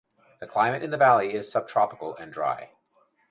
The climate in the valley is subtropical and dry.